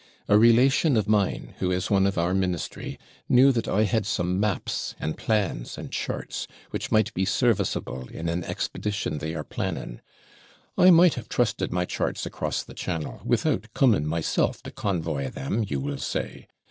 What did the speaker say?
A relation of mine, who is one of our Ministry, knew that I had some maps, and plans, and charts, which might be serviceable in an expedition they are planning. I might have trusted my charts across the channel, without coming myself to convoy them, you will say.